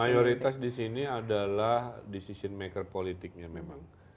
mayoritas di sini adalah decision maker politiknya memang